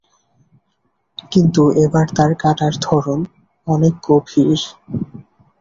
কিন্তু এবার তার কাটার ধরণ অনেক গভীর।